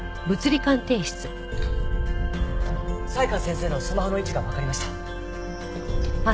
才川先生のスマホの位置がわかりました。